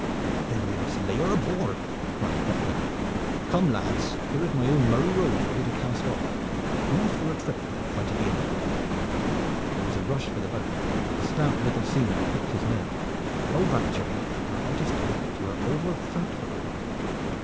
"Then we must lay her aboard!" cried Cock Badding. "Come, lads, here is my own Marie Rose ready to cast off. Who's for a trip with a fight at the end of it?" There was a rush for the boat; but the stout little seaman picked his men. "Go back, Jerry! Your heart is good, but you are overfat for the work.